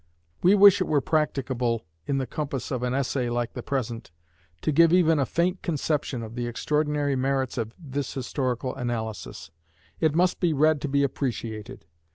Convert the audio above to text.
We wish it were practicable in the compass of an essay like the present, to give even a faint conception of the extraordinary merits of this historical analysis. It must be read to be appreciated.